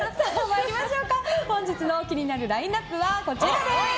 本日の気になるラインアップはこちらです。